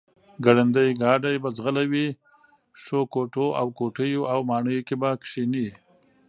ګړندی ګاډی به ځغلوي، ښو کوټو او کوټیو او ماڼیو کې به کښېني،